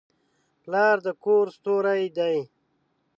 پلار د کور ستوری دی.